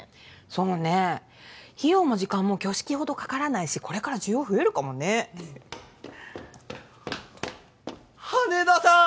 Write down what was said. そうね費用も時間も挙式ほどかからないしこれから需要増えるかもね羽田さん！